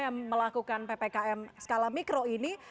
yang melakukan ppkm skala mikro ini